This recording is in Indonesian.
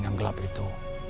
yang gelap itu